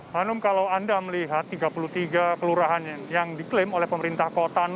hanum kalau anda melihat tiga puluh tiga kelurahan yang diklaim oleh pemerintah kota